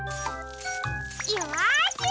よし！